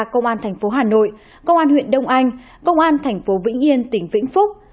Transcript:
công an thành phố hà nội công an huyện đông anh công an thành phố vĩnh yên tỉnh vĩnh phúc